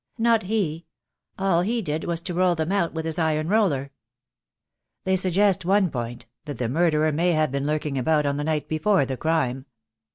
"Not he. All he did was to roll them out with his iron roller." "They suggest one point — that the murderer may have been lurking about on the night before the crime."